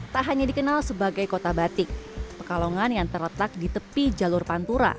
tak hanya dikenal sebagai kota batik pekalongan yang terletak di tepi jalur pantura